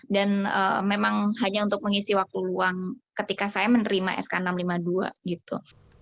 dan memang hanya untuk mengisi waktu luang ketika saya menerima sk enam ratus lima puluh dua gitu